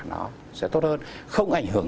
nó sẽ tốt hơn không ảnh hưởng